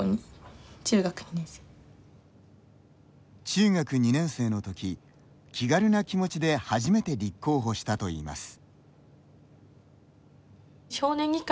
中学２年生のとき気軽な気持ちで初めて立候補したといいます。